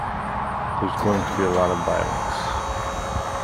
There's going to be a lot of violence.